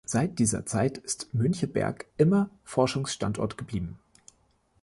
Seit dieser Zeit ist Müncheberg immer Forschungsstandort geblieben.